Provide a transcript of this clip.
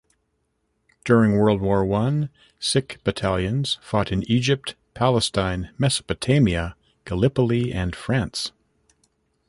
During World War One, Sikh battalions fought in Egypt, Palestine, Mesopotamia, Gallipoli and France.